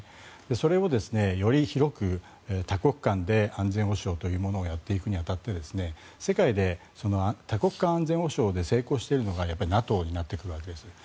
それをより広く多国間で安全保障をやっていこうとすると世界で多国間安全保障で成功しているのがＮＡＴＯになってくるわけです。